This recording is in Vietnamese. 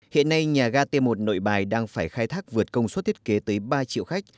hiện nay nhà ga t một nội bài đang phải khai thác vượt công suất thiết kế tới ba triệu khách